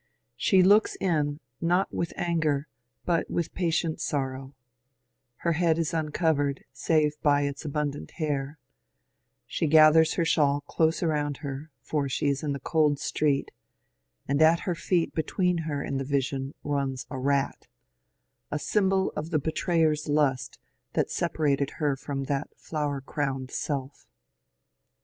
She looks in not with anger but with patient sorrow ; her head is uncov ered save by its abundant hair ; she gathers her shawl close around her, for she is in the cold street ; and at her feet be tween her and the vision runs a rat — a symbol of the betray er's lust that separated her from that flower crowned self.